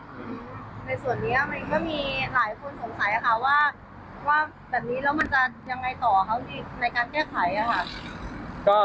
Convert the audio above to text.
ในส่วนนี้ก็มีหลายคนสงสัยว่าแบบนี้แล้วมันจะยังไงต่อเขาในการแก้ไข